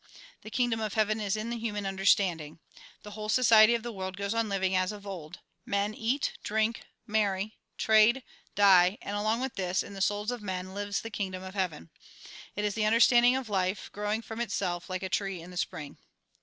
The Kingdom of Heaven is in the human understanding. The whole society of the world goes on living as of old ; men eat, drink, marry, trade, die, and along with this, in the souls of men, lives the Kingdom of Heaven. It is the understanding of life, growing from itself, like a tree in the spring.